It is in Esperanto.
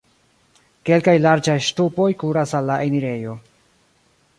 Kelkaj larĝaj ŝtupoj kuras al la enirejo.